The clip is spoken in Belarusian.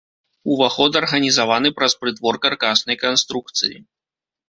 Уваход арганізаваны праз прытвор каркаснай канструкцыі.